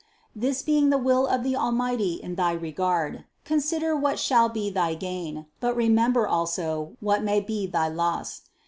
This being the will of the Almighty in thy regard : consider what shall be thy gain, but remember also, what may be thy loss.